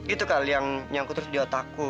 itu kali yang nyangkut terus di otakku